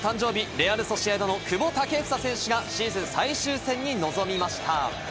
レアル・ソシエダの久保建英選手がシーズン最終戦に臨みました。